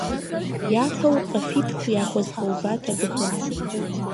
Япэу къафитху яхуэзгъэуват абыхэм.